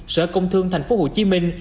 sở công thương thành phố hồ chí minh